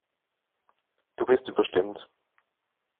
Du bist überstimmt.